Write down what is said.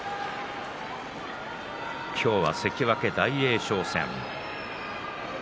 今日は関脇大栄翔戦です。